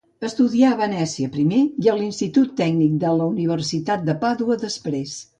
Estudià a Venècia, primer, i a l'Institut Tècnic de la universitat de Pàdua, després.